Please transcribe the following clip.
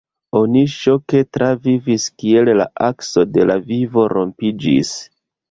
Oni ŝoke travivis kiel la akso de la vivo rompiĝis.